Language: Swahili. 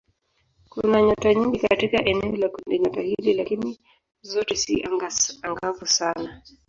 Kuna nyota nyingi katika eneo la kundinyota hili lakini zote si angavu sana.